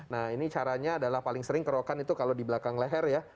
nah ini caranya adalah paling sering kerokan itu kalau di belakang leher ya